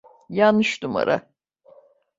Yanlış numara.